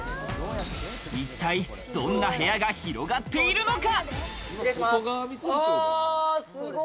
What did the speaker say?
一体、どんな部屋が広がっているのか？